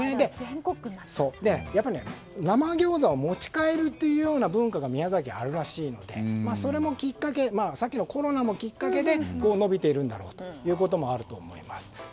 やっぱり生餃子を持ち帰るという文化が宮崎にはあるらしいのでそれもきっかけでさっきのコロナもきっかけで伸びているんだろうということもあると思います。